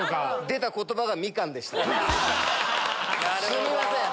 すみません！